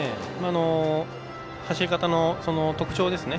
走り方の特徴ですね。